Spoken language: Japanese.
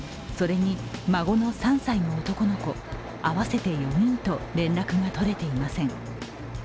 それに孫の３歳の男の子、合わせて４人と連絡が取れていません。